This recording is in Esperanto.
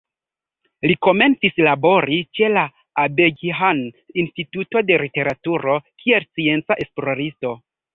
Li komencis labori ĉe la Abeghjan Instituto de Literaturo kiel scienca esploristo.